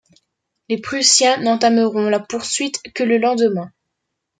Les Prussiens n'entameront la poursuite que le lendemain.